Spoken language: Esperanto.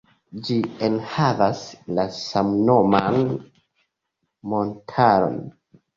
Ĝi enhavas la samnoman montaron.